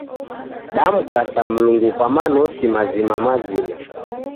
Damkasa Mlungu kwa manosi mazima-mazima.